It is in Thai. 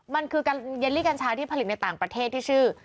มันคือเยลลี่กัญชาที่ผลิตในต่างประเทศที่ชื่อ